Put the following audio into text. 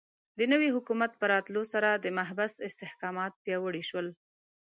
د نوي حکومت په راتلو سره د محبس استحکامات پیاوړي شول.